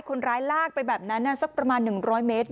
คนร้ายลากไปแบบนั้นน่ะสักประมาณหนึ่งร้อยเมตรได้